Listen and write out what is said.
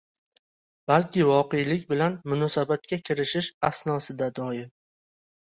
balki voqelik bilan munosabatga kirishish asnosida doim